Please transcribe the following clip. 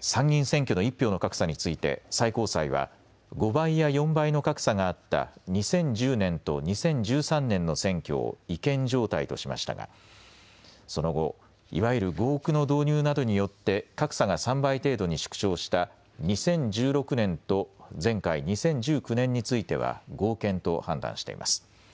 参議院選挙の１票の格差について最高裁は５倍や４倍の格差があった２０１０年と２０１３年の選挙を違憲状態としましたがその後、いわゆる合区の導入などによって格差が３倍程度に縮小した２０１６年と前回２０１９年については合憲と判断しています。